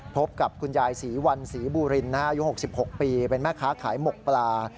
พบกับคุณยายศรีวันศรีบูรินอายุ๖๖ปีเป็นแม่ค้าขายหมกปลา